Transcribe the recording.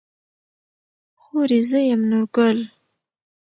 خورې زه يم نورګل.